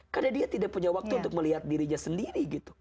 karena dia tidak punya waktu untuk melihat dirinya sendiri